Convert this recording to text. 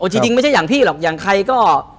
จริงไม่ใช่อย่างพี่หรอกอย่างใครก็